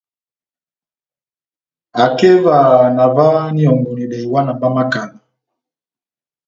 Akeva na ová na ihɔngɔnedɛ iwana má makala.